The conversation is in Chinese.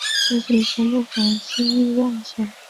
自己从不敢轻易妄想